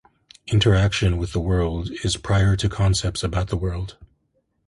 Interaction with the world is prior to concepts about the world.